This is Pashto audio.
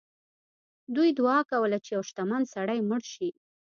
دوی دعا کوله چې یو شتمن سړی مړ شي.